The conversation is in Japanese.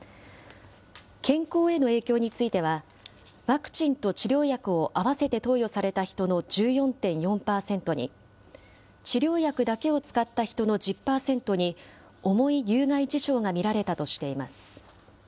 健康への影響については、ワクチンと治療薬を合わせて投与された人の１４．４％に、治療薬だけを使った人の１０％に、重い有害事象が見られたとしています。